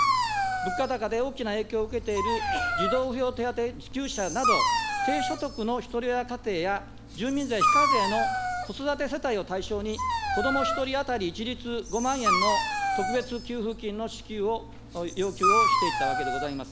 物価高で大きな影響を受けている児童扶養手当支給者など、低所得のひとり親家庭や住民税非課税の子育て世帯を対象に、子ども１人当たり一律５万円の特別給付金の支給を要求をしていったわけでございます。